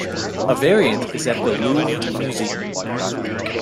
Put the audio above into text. A variant is at the Louvre Museum.